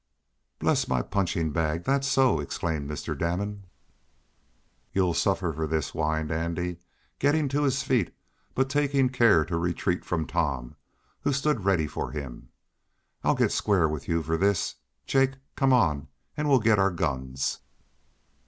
"Bless my punching bag! That's so!" exclaimed Mr. Damon. "You'll suffer for this!" whined Andy, getting to his feet, but taking care to retreat from Tom, who stood ready for him. "I'll get square with you for this! Jake, come on, and we'll get our guns!"